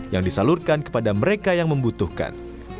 yang disalurkan kepada mereka yang membutuhkan